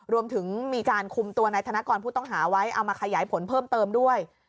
รวมถึงมีการคุมตัวนายธนกรผู้ต้องหาไว้เอามาขยายผลเพิ่มเติมด้วย